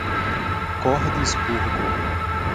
Cordisburgo